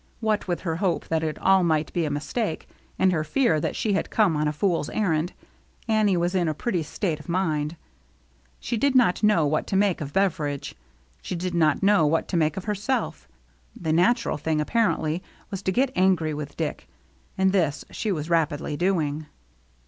What with her hope that it all might be a mistake, and her fear that she had come on a fool's errand, Annie was in a pretty state of mind. She did not know what to make of Beveridge; she did not know what to make of herself; the natural thing, apparently, was to get angry with Dick, and this she was rapidly doing.